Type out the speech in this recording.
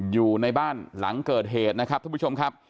อยู่ในบ้านหลังเกิดเหตุนะครับท่านผู้ชมครับ